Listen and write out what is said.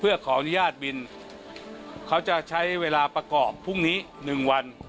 เพื่อขออนุญาตบินเขาจะใช้เวลาประกอบพรุ่งนี้๑วัน